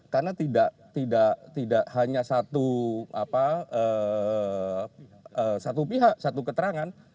karena tidak hanya satu pihak satu keterangan